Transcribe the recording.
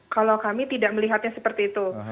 kalau kami tidak melihatnya seperti itu